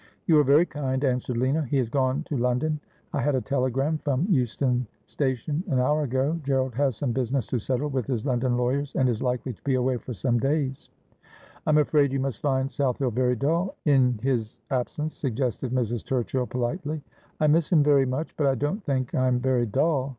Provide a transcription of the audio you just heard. ' You are very kind,' answered Lina. ' He has gone to Lon don. I had a telegram from Euston Station an hour ago. * For I wol gladly yelden Hire my Place.' 249 Gerald has some business to settle with his London lawyers, and is likely to be away for some days.' ' I'm afraid you must find South Hill very dull in his absence,' suggested Mrs. Turchill politely. ' I miss him very much ; but I don't think I am very dull.